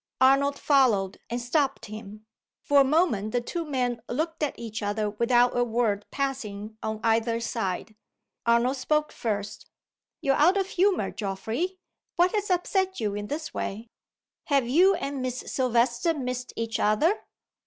Arnold followed, and stopped him. For a moment the two men looked at each other without a word passing on either side. Arnold spoke first. "You're out of humor, Geoffrey. What has upset you in this way? Have you and Miss Silvester missed each other?"